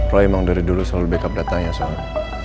roy emang dari dulu selalu backup datanya soalnya